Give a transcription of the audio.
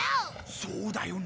そうだよな。